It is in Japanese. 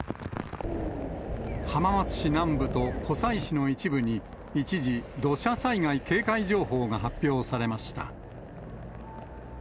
浜松市南部と湖西市の一部に、一時、土砂災害警戒情報が発表されました。